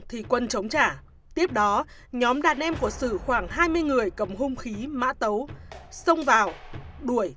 thì quân chống trả tiếp đó nhóm đàn em của sử khoảng hai mươi người cầm hung khí mã tấu xông vào đuổi